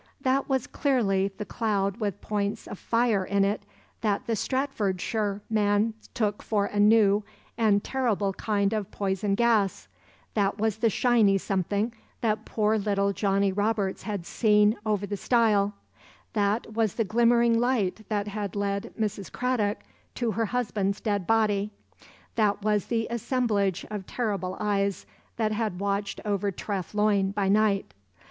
That was clearly the cloud with points of fire in it that the Stratfordshire man took for a new and terrible kind of poison gas, that was the shiny something that poor little Johnnie Roberts had seen over the stile, that was the glimmering light that had led Mrs. Cradock to her husband's dead body, that was the assemblage of terrible eyes that had watched over Treff Loyne by night.